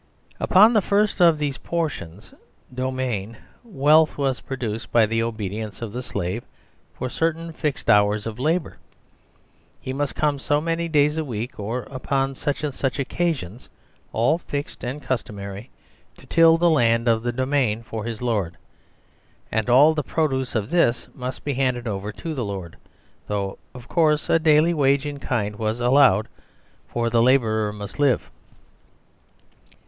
Upon the first of these portions, Domain, wealth was produced by the obedience of the Slave for cer tain fixed hours of labour. He must come so many days a week, or upon such and such occasions (all fixed and customary), to till the land of the Domain for his Lord, and all the produce of this must be hand ed over to the Lord though, of course, a daily wage in kind was allowed, for the labourer must live.